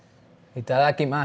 いただきます。